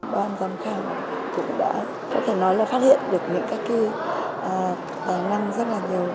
đoàn giám khảo cũng đã có thể nói là phát hiện được những cái tài năng rất là nhiều